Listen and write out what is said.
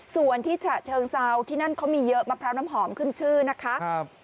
ส่วนที่ฉะเชิงเซาที่นั่นเขามีเยอะมะพร้าวน้ำหอมขึ้นชื่อนะคะ